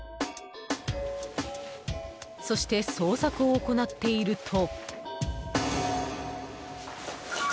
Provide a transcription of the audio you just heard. そして、捜索を行っていると。